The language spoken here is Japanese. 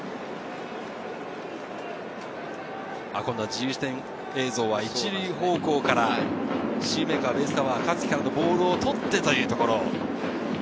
自由視点映像は１塁方向から、シューメーカー、ベースカバー、香月からのボールを捕ってというところ。